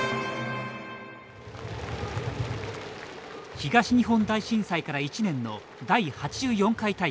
東日本大震災から１年の第８４回大会。